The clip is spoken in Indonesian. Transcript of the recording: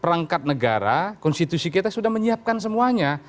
perangkat negara konstitusi kita sudah menyiapkan semuanya